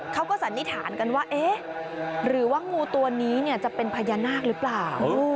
สันนิษฐานกันว่าเอ๊ะหรือว่างูตัวนี้จะเป็นพญานาคหรือเปล่า